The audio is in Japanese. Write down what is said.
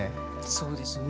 そうですね。